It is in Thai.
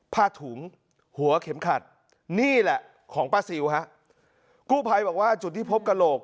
ผ้าถุงหัวเข็มขัดนี่แหละของป้าซิลฮะกู้ภัยบอกว่าจุดที่พบกระโหลก